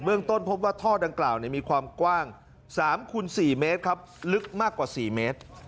เมืองต้นพบว่าท่อดังกล่าวมีความกว้าง๓คูณ๔เมตรครับลึกมากกว่า๔เมตร